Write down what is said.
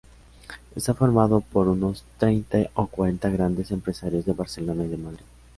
Está formado por unos treinta o cuarenta grandes empresarios de Barcelona y de Madrid.